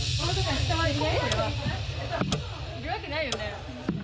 いるわけないよね？